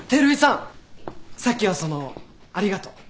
さっきはそのありがとう。